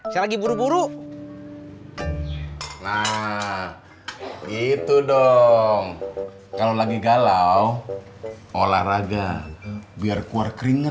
sampai jumpa di video selanjutnya